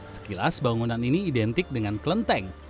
sekilas bangunan ini identik dengan klenteng